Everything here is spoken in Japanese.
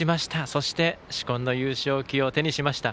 そして紫紺の優勝旗を手にしました。